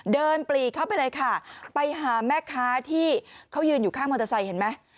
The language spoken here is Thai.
ปลีกเข้าไปเลยค่ะไปหาแม่ค้าที่เขายืนอยู่ข้างมอเตอร์ไซค์เห็นไหม